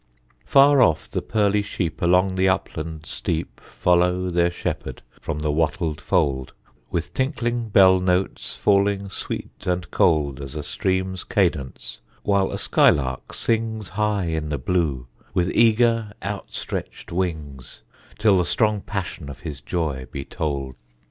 Far off the pearly sheep Along the upland steep Follow their shepherd from the wattled fold, With tinkling bell notes falling sweet and cold As a stream's cadence, while a skylark sings High in the blue, with eager outstretched wings, Till the strong passion of his joy be told.